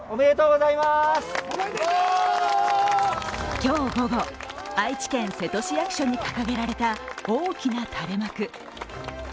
今日午後、愛知県・瀬戸市役所に掲げられた大きな垂れ幕。